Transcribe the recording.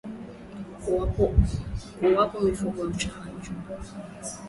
Kuwapa mifugo chanjo